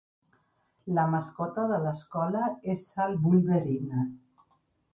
La mascota de l'escola és el Wolverine.